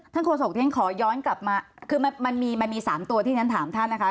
ท่านโฆษกขอย้อนกลับมาคือมันมี๓ตัวที่ฉันถามท่านนะคะ